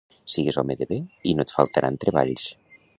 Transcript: Sigues home de bé i no et faltaran treballs.